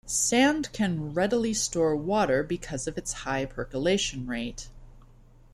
Sand can readily store water because of its high percolation rate.